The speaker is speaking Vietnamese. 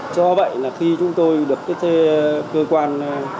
do vậy khi chúng tôi được cơ quan